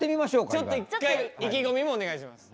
ちょっと一回意気込みもお願いします。